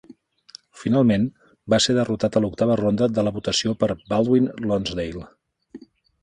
Finalment, va ser derrotat a l"octava ronda de la votació per Baldwin Lonsdale.